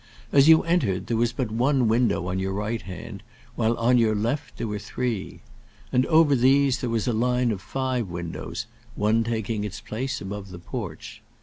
As you entered, there was but one window on your right hand, while on your left there were three. And over these there was a line of five windows, one taking its place above the porch.